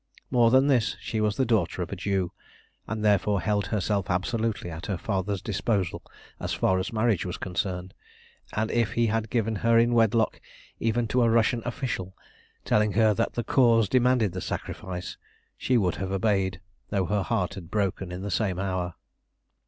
More than this, she was the daughter of a Jew, and therefore held herself absolutely at her father's disposal as far as marriage was concerned, and if he had given her in wedlock even to a Russian official, telling her that the Cause demanded the sacrifice, she would have obeyed, though her heart had broken in the same hour.